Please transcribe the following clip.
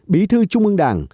bí thư trung ương đảng